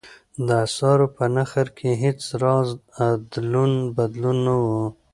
د اسعارو په نرخ کې هېڅ راز ادلون بدلون نه و.